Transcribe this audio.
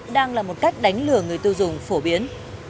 đang là một cách đánh lừa người tiêu dùng phổ biến